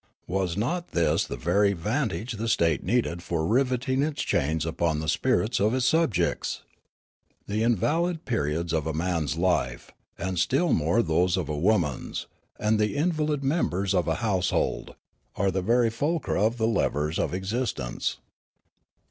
Was not this the very vantage the The Church and Journalism 91 state needed for riv^eting its chains upon the spirits of its subjects ? The invalid periods of a man's life, and still more those of a woman's, and the invalid members of a household, are the very fulcra of the levers of existence.